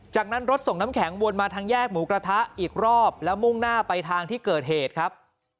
จากนั้นรถส่งน้ำแข็งวนมาทางแยกหมูกระทะอีกรอบแล้วมุ่งหน้าไปทางที่เกิดเหตุครับ